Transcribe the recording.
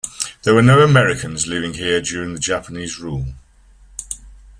There were no Americans living here during the Japanese rule.